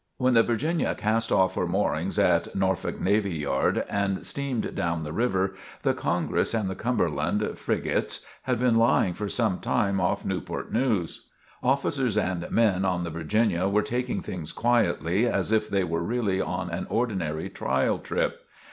When the "Virginia" cast off her moorings at Norfolk Navy Yard and steamed down the river, the "Congress" and the "Cumberland" (frigates) had been lying for some time off Newport News. Officers and men on the "Virginia" were taking things quietly as if they were really on an ordinary trial trip.